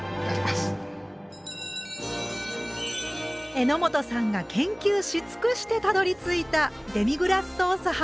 榎本さんが研究し尽くしてたどりついたデミグラスソースハンバーグ。